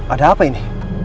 ada apa ini